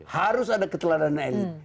harus ada keteladanan elit